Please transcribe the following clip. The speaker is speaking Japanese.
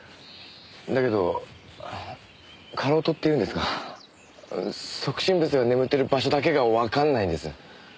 だけどかろうとっていうんですか即身仏が眠ってる場所だけがわかんないんです。